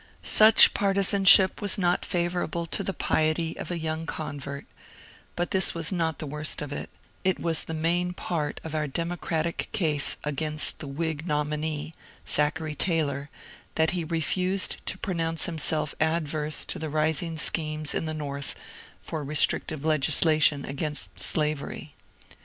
Such 64 MONCURE DANIEL CONWAY partisanship was not favourable to the piety of a young con vert, but this was not the worst of it : it was the main part of our democratic case against the Whig nominee (2iachary Taylor) that he refused to pronounce himself adverse to the rising schemes in the North for restrictive legislation against slavery.